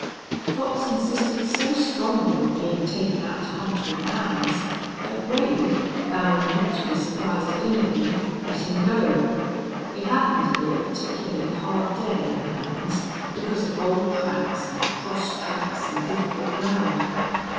Fox insisted so strongly on being taken out to hunt with the hounds that Wade, vowing not to be surprised at anything, let him go. It happened to be a particularly hard day on hounds because of old tracks and cross tracks and difficult ground.